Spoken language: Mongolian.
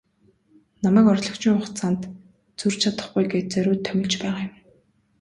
Намайг орлогчийн хугацаанд зөрж чадахгүй гээд зориуд томилж байгаа юм.